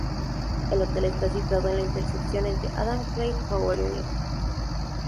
El hotel está situado en la intersección entre Adam Clayton Powell Jr.